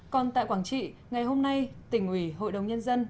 còn tại quảng trị ngày hôm nay tỉnh ủy hội đồng nhân dân